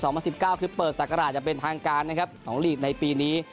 นัดเปิดสักกราศจะเป็นทางการของลีกในปีนี้